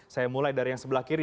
saya mulai dari yang sebelah kiri